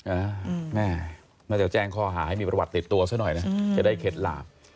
อ่าแม่น่าจะแจ้งข้อหาให้มีประวัติติดตัวซะหน่อยนะจะได้เข็ดหลาบ